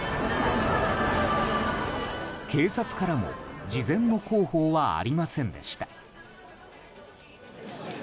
警察からも、事前の広報はありませんでした。